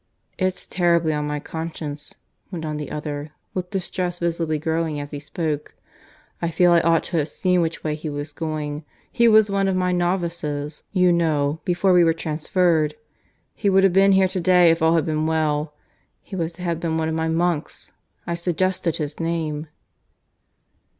"It's terribly on my conscience," went on the other, with distress visibly growing as he spoke. "I feel I ought to have seen which way he was going. He was one of my novices, you know, before we were transferred. ... He would have been here to day if all had been well. He was to have been one of my monks. I suggested his name."